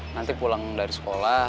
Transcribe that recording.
nanti pulang dari sekolah